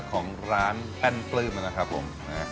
ของร้านแป้นปลื้มนะครับผม